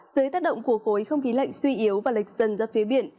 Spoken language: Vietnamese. dưới tác động của khối không khí lạnh suy yếu và lệch dần ra phía biển